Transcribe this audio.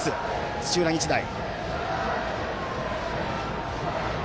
土浦日大。